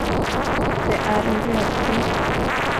Det är en brödkniv.